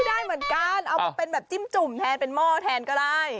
ได้เหมือนกันเอามาเป็นแบบจิ้มจุ่มแทนเป็นหม้อแทนก็ได้